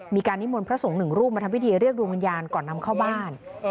มีการนิมวลพระสงฆ์หนึ่งรูปมาทำวิธีเรียกรวมยานก่อนนำเข้าบ้าน